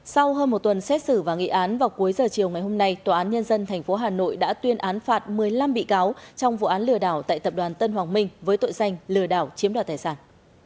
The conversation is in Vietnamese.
sau hơn một tuần xét xử và nghị án vào cuối giờ chiều ngày hôm nay tòa án nhân dân tp hà nội đã tuyên án phạt một mươi năm bị cáo trong vụ án lừa đảo tại tập đoàn tân hoàng minh với tội danh lừa đảo chiếm đoạt tài sản